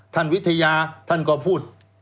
ท่านวิทยาท่านก็พูด